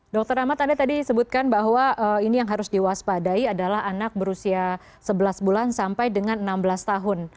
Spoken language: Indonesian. dr ahmad anda tadi sebutkan bahwa ini yang harus diwaspadai adalah anak berusia sebelas bulan sampai dengan enam belas tahun